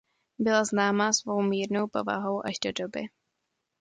Byla známá svou mírnou povahou až do doby.